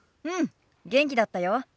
うん元気だったよ。